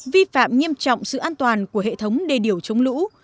vi phạm nghiêm trọng sự an toàn của hệ thống đề điểu chống lũ